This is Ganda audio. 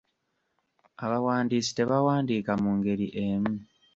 Abawandiisi tebawandika mu ngeri emu.